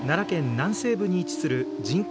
南西部に位置する人口